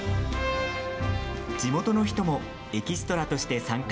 地元の人もエキストラとして参加。